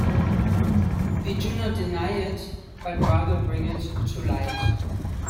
We do not deny it, but rather bring it to light.